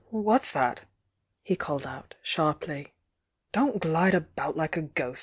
What's that?" he called out, sharp ly. "Don't glide about like a ghost!